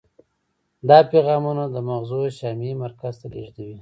دا پیغامونه د مغزو شامعي مرکز ته لیږدوي.